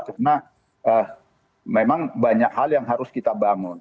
karena memang banyak hal yang harus kita bangun